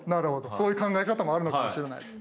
そういう考え方もあるのかもしれないです。